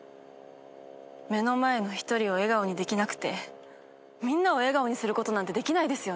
目の前の一人を笑顔にできなくてみんなを笑顔にすることなんてできないですよね。